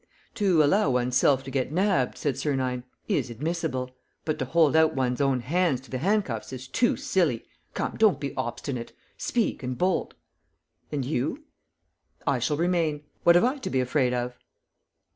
"To allow one's self to get nabbed," said Sernine, "is admissible. But to hold out one's own hands to the handcuffs is too silly. Come, don't be obstinate. Speak ... and bolt!" "And you?" "I shall remain. What have I to be afraid of?"